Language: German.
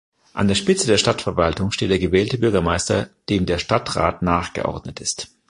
An der Spitze der Stadtverwaltung steht der gewählte Bürgermeister, dem der Stadtrat nachgeordnet ist.